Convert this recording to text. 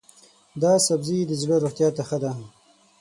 دا سبزی د زړه روغتیا ته ښه دی.